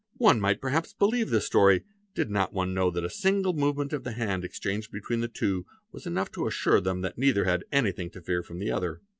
One might perhaps believe this — story, did not one know that a single movement of the hand exchanged — between the two was enough to assure them that neither had anything to fear from the other.